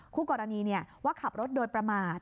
คู่กรณีว่าขับรถโดยประมาท